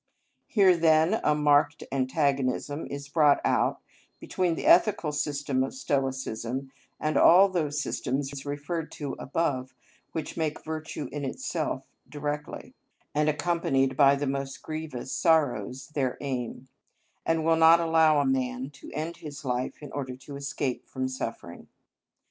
Here then a marked antagonism is brought out between the ethical system of Stoicism and all those systems referred to above which make virtue in itself directly, and accompanied by the most grievous sorrows, their aim, and will not allow a man to end his life in order to escape from suffering.